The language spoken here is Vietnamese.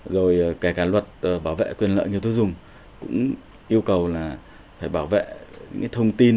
rồi kể cả luật bảo vệ quyền lợi nhiều thú dùng cũng yêu cầu là phải bảo vệ những cái thông tin